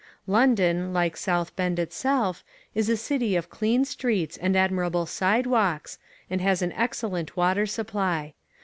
London, like South Bend itself, is a city of clean streets and admirable sidewalks, and has an excellent water supply.